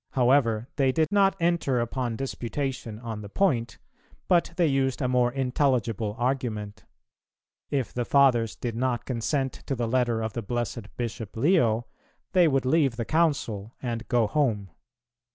However, they did not enter upon disputation on the point, but they used a more intelligible argument: If the Fathers did not consent to the letter of the blessed Bishop Leo, they would leave the Council and go home.